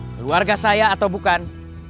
keluarga saya atau bukan